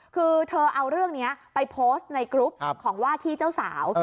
คือเธอเอาเรื่องนี้ไปโพสต์ในกรุ๊ปของว่าที่เจ้าสาว